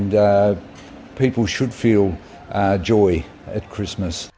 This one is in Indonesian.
dan orang orang harus merasakan kegembiraan pada krismas